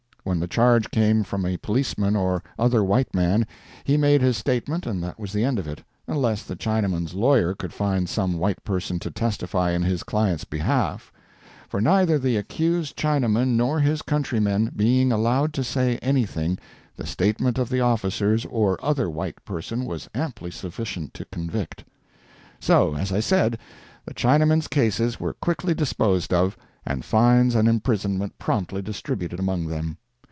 When the charge came from a policeman or other white man, he made his statement and that was the end of it, unless the Chinaman's lawyer could find some white person to testify in his client's behalf; for, neither the accused Chinaman nor his countrymen being allowed to say anything, the statement of the officers or other white person was amply sufficient to convict. So, as I said, the Chinamen's cases were quickly disposed of, and fines and imprisonment promptly distributed among them.